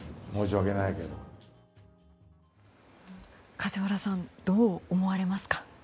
梶原さんどう思われますか？